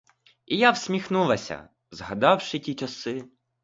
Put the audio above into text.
І я всміхнулася, згадавши ті часи.